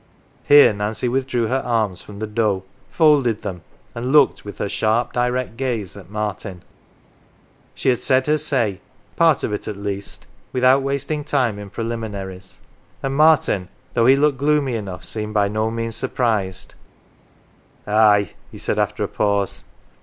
Here Nancy withdrew her arms from the dough, folded them, and looked with her sharp, direct gaze at Martin. She had said her say part of it at least without wasting time in preliminaries ; and Martin, though he looked gloomy enough, seemed by no means surprised. "Aye," he said after a pause.